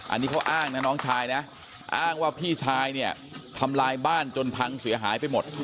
อันนี้เขาอ้างนะน้องชายนะอ้างว่าพี่ชายเนี่ยทำลายบ้านจนพังเสียหายไปหมด